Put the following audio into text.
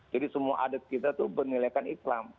jadi semua adat kita itu bernilai iklam